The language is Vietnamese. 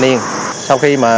khi tôi thấy